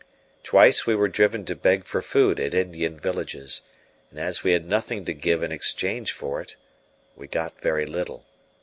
Twice we were driven to beg for food at Indian villages, and as we had nothing to give in exchange for it, we got very little.